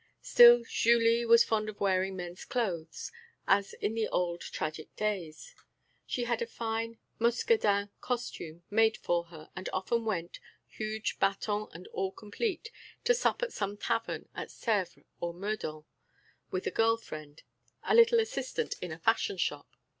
Still Julie was fond of wearing men's clothes, as in the old tragic days; she had a fine Muscadin costume made for her and often went, huge bâton and all complete, to sup at some tavern at Sèvres or Meudon with a girl friend, a little assistant in a fashion shop.